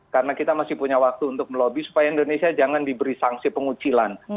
karena kita masih punya waktu untuk melobby supaya indonesia jangan diberi sanksi pengucilan